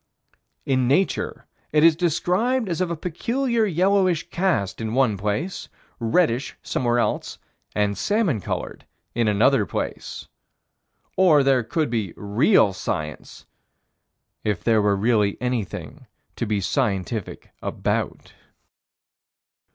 In Nature, it is described as of a peculiar yellowish cast in one place, reddish somewhere else, and salmon colored in another place. Or there could be real science if there were really anything to be scientific about.